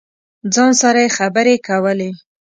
ځان سره یې خبرې کولې.